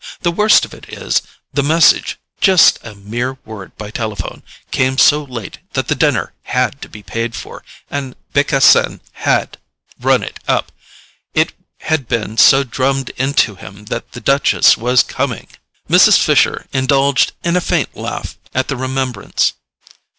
The worst of it is, the message—just a mere word by telephone—came so late that the dinner HAD to be paid for; and Becassin HAD run it up—it had been so drummed into him that the Duchess was coming!" Mrs. Fisher indulged in a faint laugh at the remembrance.